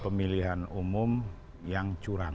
pemerintahan umum yang curang